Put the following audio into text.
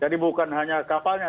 jadi bukan hanya kapalnya